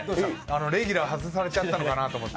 レギュラー外されちゃったのかなと思って。